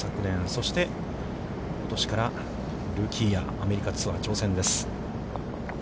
そしてことしからルーキーイヤー、アメリカツアー挑戦です。